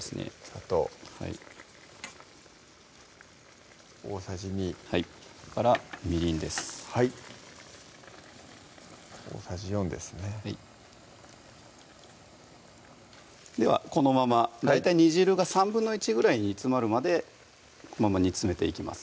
砂糖大さじ２はいそれからみりんですはい大さじ４ですねはいではこのまま大体煮汁が１／３ぐらい煮詰まるまでこのまま煮詰めていきます